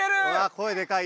声でかい。